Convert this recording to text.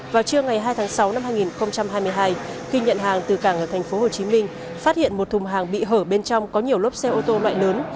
vào trưa ngày hai tháng sáu năm hai nghìn hai mươi hai khi nhận hàng từ cảng ở tp hcm phát hiện một thùng hàng bị hở bên trong có nhiều lốp xe ô tô loại lớn